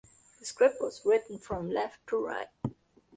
The script was written from left to right.